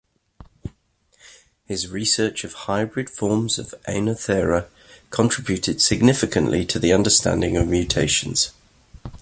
His research of hybrid forms of "Oenothera" contributed significantly to the understanding of mutations.